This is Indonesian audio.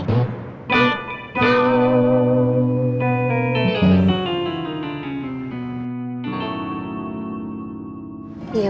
umi sudah berubah